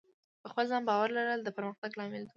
په خپل ځان باور لرل د پرمختګ لامل دی.